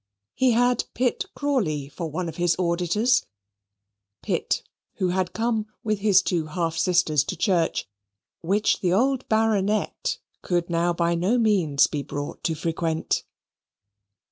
He had Pitt Crawley for one of his auditors Pitt, who had come with his two half sisters to church, which the old Baronet could now by no means be brought to frequent.